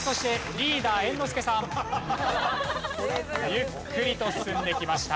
ゆっくりと進んできました。